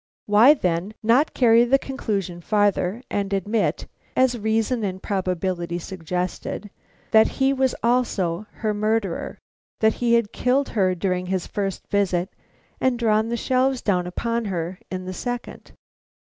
Why, then, not carry the conclusion farther and admit, as reason and probability suggested, that he was also her murderer; that he had killed her during his first visit and drawn the shelves down upon her in the second?